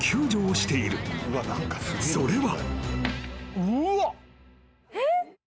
［それは］